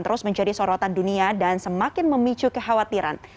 terus menjadi sorotan dunia dan semakin memicu kekhawatiran